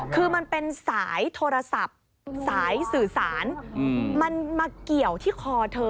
คือมันเป็นสายโทรศัพท์สายสื่อสารมันมาเกี่ยวที่คอเธอ